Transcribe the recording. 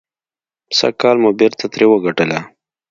سږکال مو بېرته ترې وګټله.